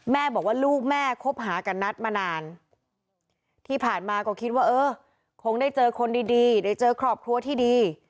แม่บอกว่าลูกแม่คบหากับนัทมานานที่ผ่านมาก็คิดว่าเออคงได้เจอคนดีได้เจอครอบครัวที่ดี